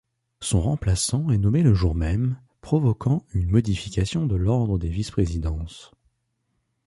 Son remplaçant est nommé le jour même, provoquant une modification de l'ordre des vice-présidences.